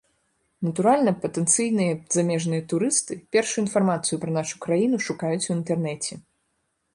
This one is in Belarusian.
Натуральна, патэнцыйныя замежныя турысты першую інфармацыю пра нашу краіну шукаюць у інтэрнэце.